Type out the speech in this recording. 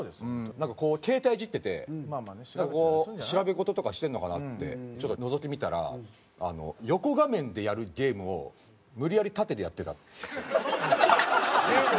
なんかこう携帯いじっててこう調べ事とかしてんのかなってちょっとのぞき見たら横画面でやるゲームを無理やり縦でやってたんですよ。